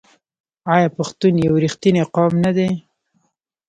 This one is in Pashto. آیا پښتون یو رښتینی قوم نه دی؟